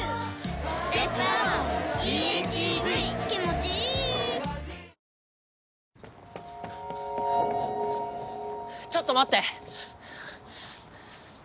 ちょっと待って！